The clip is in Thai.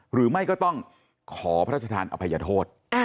หรือไม่ก็ต้องขอพระราชทานอภัยโทษ